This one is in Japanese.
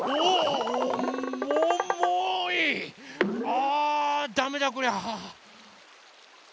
あダメだこりゃ。